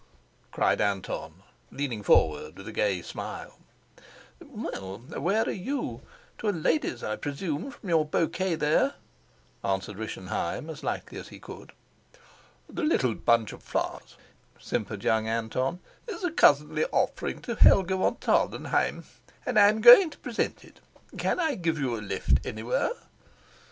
cried Anton, leaning forward with a gay smile. "Well, where are you? To a lady's, I presume, from your bouquet there," answered Rischenheim as lightly as he could. "The little bunch of flowers," simpered young Anton, "is a cousinly offering to Helga von Tarlenheim, and I'm going to present it. Can I give you a lift anywhere?"